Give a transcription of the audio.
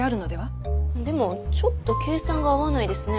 でもちょっと計算が合わないですね。